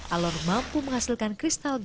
alor mampu menghasilkan kristal